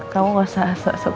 kamu gak usah asok asok